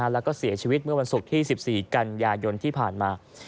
แล้วก็เสียชีวิตเมื่อวันศุกร์ที่๑๔กันยายนที่ผ่านมา